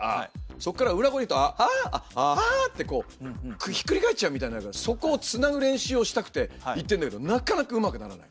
そこから裏声にいくと「アア」ってこうひっくり返っちゃうみたいなそこをつなぐ練習をしたくて行ってるんだけどなかなかうまくならない。